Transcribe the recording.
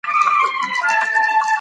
هوسا خوب ماشوم ته انرژي ورکوي.